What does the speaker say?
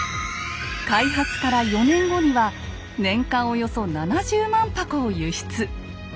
開発から４年後には年間およそ７０万箱を輸出。